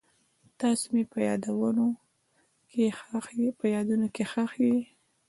تاسو مې په یادونو کې ښخ یئ.